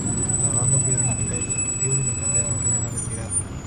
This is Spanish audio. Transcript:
Cada bando pierde la mitad de sus efectivos, y los franceses emprenden la retirada.